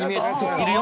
いるよ